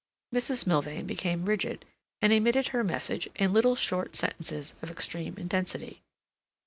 Mrs. Milvain became rigid, and emitted her message in little short sentences of extreme intensity.